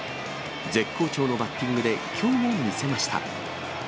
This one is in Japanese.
絶好調のバッティングで、きょうも見せました。